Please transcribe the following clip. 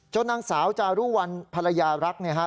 นางสาวจารุวัลภรรยารักเนี่ยฮะ